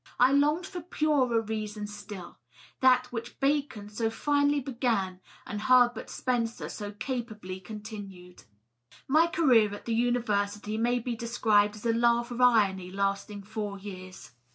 I longed for purer reason still — that whidfi Bacon so finely began, and Herbert Spencer so capably continued. My career at the University may be described as a laugh of irony lasting four years.